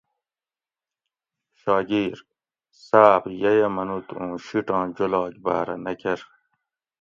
شاگیر: صاۤب ییہ منوت اُوں شیٹاں جولاگ باۤرہ نہ کرۤ